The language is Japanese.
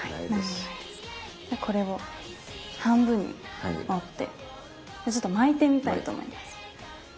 これを半分に折ってちょっと巻いてみたいと思います。